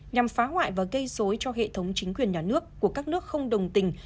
nhằm phá hoại và gây dối cho hệ thống chính quyền nhà nước của các nước không đồng tình